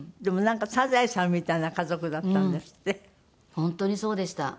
本当にそうでした。